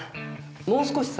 もう少しさ